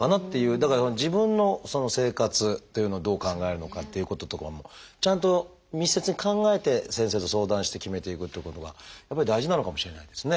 だから自分の生活というのをどう考えるのかっていうこととかもちゃんと密接に考えて先生と相談して決めていくっていうことがやっぱり大事なのかもしれないですね。